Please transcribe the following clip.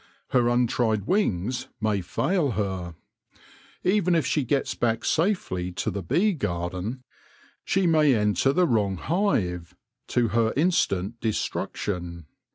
Her untried wings may fail her. Even if she gets back safely to the bee garden, she may enter the wrong hive, to her instant destruction.